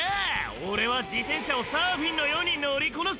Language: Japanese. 俺は自転車をサーフィンのように乗りこなすぜ！」